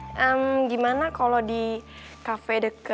ehm gimana kalo di kafe deket